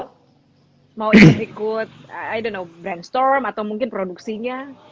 mau ikut i don't know brainstorm atau mungkin produksinya